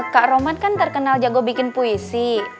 kak romat kan terkenal jago bikin puisi